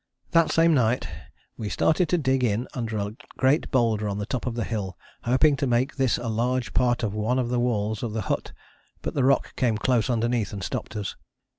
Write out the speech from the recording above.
That same night "we started to dig in under a great boulder on the top of the hill, hoping to make this a large part of one of the walls of the hut, but the rock came close underneath and stopped us.